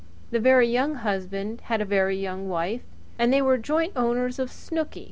The Very Young Husband had a Very Young Wife, and they were the joint owners of Snooky.